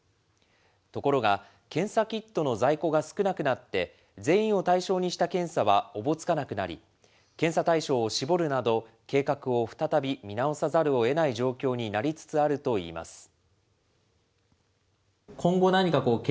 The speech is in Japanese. ところが、検査キットの在庫が少なくなって、全員を対象にした検査はおぼつかなくなり、検査対象を絞るなど、計画を再び見直さざるをえない状況になりつつあるといいます。